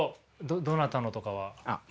どなたのとかは？